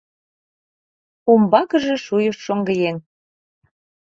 — Умбакыже шуйыш шоҥгыеҥ.